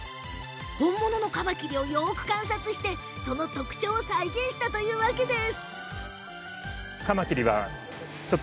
本物のカマキリをよく観察してその特徴を再現したんだそうです。